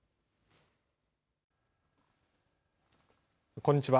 こんにちは。